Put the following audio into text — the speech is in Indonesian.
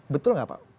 betul nggak pak